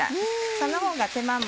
そのほうが手間も。